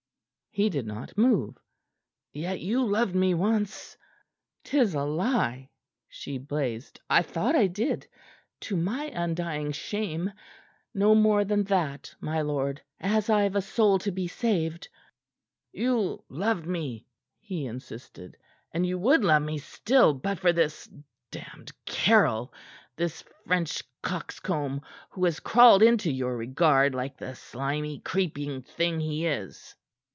He did not move. "Yet you loved me once " "'Tis a lie!" she blazed. "I thought I did to my undying shame. No more than that, my lord as I've a soul to be saved." "You loved Me," he insisted. "And you would love me still but for this damned Caryll this French coxcomb, who has crawled into your regard like the slimy, creeping thing he is."